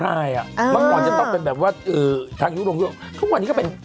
อ่าเมื่อก่อนอย่างออกเป็นแบบว่าเอ่อทางยุสโรงยื่อทุกวันนี้ก็เป็น